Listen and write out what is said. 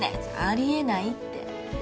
それあり得ないって。